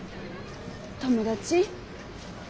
友達？